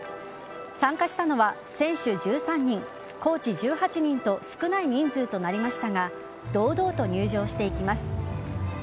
参加したのは選手１３人コーチ１８人と少ない人数となりましたが堂々と入場していきます。